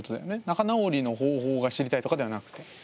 仲直りの方法が知りたいとかではなくて。